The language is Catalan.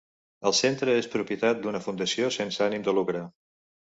El centre és propietat d'una fundació sense ànim de lucre.